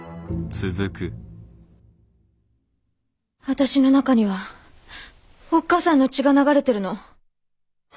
私の中にはおっ母さんの血が流れてるの。